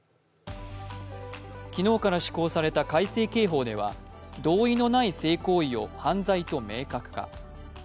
昨日から施行された改正刑法では同意のない性行為を犯罪と明確化。